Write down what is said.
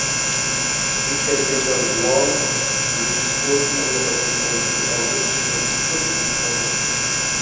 بىز كەلگەندە ۋاڭ رېژىسسور ئاللىقاچان قولىدىكى ئالدىراش ئىشلىرىنى توختىتىپ بىزنى ساقلاپ تۇرغان ئىكەن.